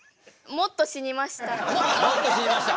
もっと死にました。